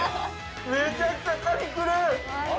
◆めちゃくちゃカニ来る！